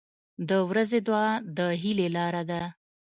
• د ورځې دعا د هیلې لاره ده.